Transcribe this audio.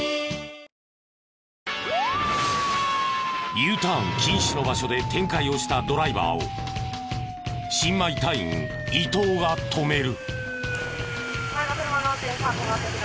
Ｕターン禁止の場所で転回をしたドライバーを新米隊員伊東が止める。